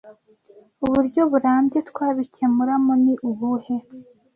uburyo burambye twabikemuramo ni ubuhe